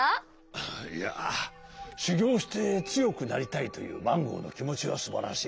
ああいやしゅぎょうしてつよくなりたいというマンゴーのきもちはすばらしい。